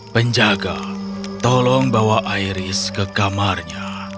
penjaga tolong bawa iris ke kamarnya